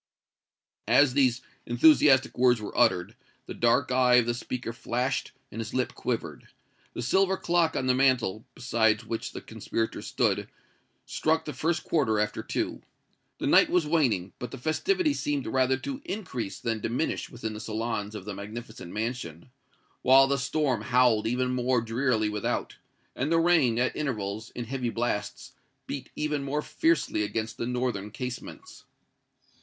As these enthusiastic words were uttered, the dark eye of the speaker flashed and his lip quivered. The silver clock on the mantel, beside which the conspirators stood, struck the first quarter after two. The night was waning, but the festivity seemed rather to increase than diminish within the salons of the magnificent mansion, while the storm howled even more drearily without, and the rain, at intervals, in heavy blasts, beat even more fiercely against the northern casements.